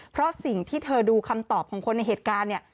เพราะสิ่งที่เธอดูคำตอบของคนในเหตุการณ์เนี่ย